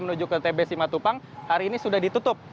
menuju ke tb simatupang hari ini sudah ditutup